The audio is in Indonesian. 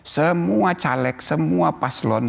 semua caleg semua paslon